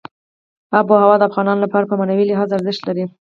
آب وهوا د افغانانو لپاره په معنوي لحاظ ارزښت لري.